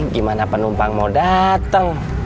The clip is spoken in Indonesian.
gimana penumpang mau dateng